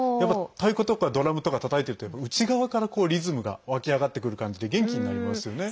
太鼓とかドラムとかたたいてると内側からリズムがわき上がってくる感じで元気になりますよね。